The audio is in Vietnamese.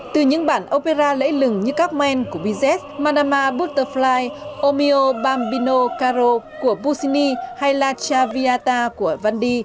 từ những bản opera lễ lừng như các men của bizet manama butterfly omeo bambino caro của bussini hay la chaviata của vandi